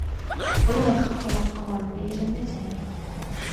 وَلِمَن خافَ مَقامَ رَبِّهِ جَنَّتانِ